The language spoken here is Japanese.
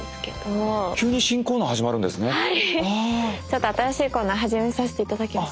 ちょっと新しいコーナー始めさせて頂きます。